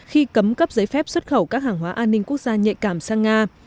khi cấm cấp giấy phép xuất khẩu các hàng hóa an ninh quốc gia nhạy cảm sang nga